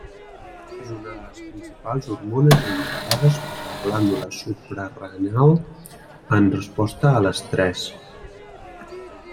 És una de les principals hormones alliberades per la glàndula suprarenal en resposta a l'estrès.